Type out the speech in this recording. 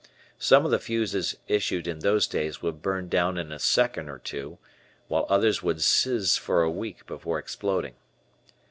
Some of the fuses issued in those days would burn down in a second or two, while others would "sizz" for a week before exploding.